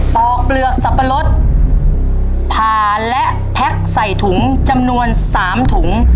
อกเปลือกสับปะรดผ่าและแพ็คใส่ถุงจำนวน๓ถุง